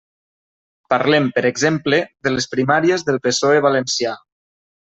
Parlem, per exemple, de les primàries del PSOE valencià.